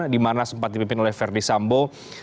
di mana sempat dipimpin oleh verdi sambo